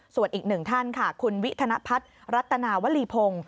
ส่วนอีกหนึ่งท่านค่ะคุณวิธนพัฒน์รัตนาวลีพงศ์